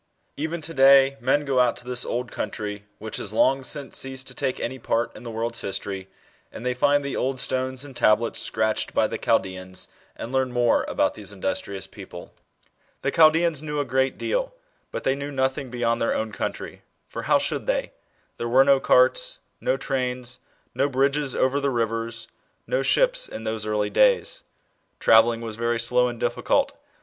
Even to day men go out to this old country, which has long since ceased to take any part in the world's history, and they find the old stones and tablets scratched by the Chaldeans, and learn more about these industrious psople. The Chaldeans knew a great deal, but they knew nothing beyond their own country, for how should they ? Ther3 were no carts, no trains, no bridges over the rivers, no ships, r^ those early days. Travelling was ve*y slow and difficult.